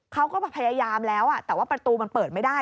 เขาก็พยายามแล้วแต่ว่าประตูมันเปิดไม่ได้